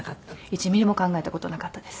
１ミリも考えた事なかったです。